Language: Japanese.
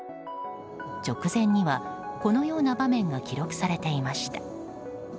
直前にはこのような場面が記録されていました。